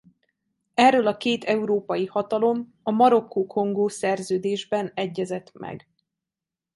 Erről a két európai hatalom a Marokkó–Kongó-szerződésben egyezett meg.